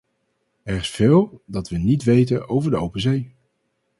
Er is veel dat we niet weten over de open zee.